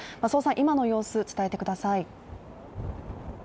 今の様子、伝えてください。